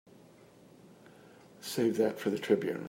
Save that for the Tribune.